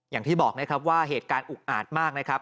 อย่างที่บอกนะครับว่าเหตุการณ์อุกอาจมากนะครับ